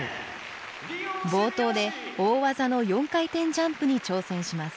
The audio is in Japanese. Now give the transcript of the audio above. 冒頭で大技の４回転ジャンプに挑戦します。